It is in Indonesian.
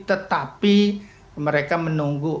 tetapi mereka menunggu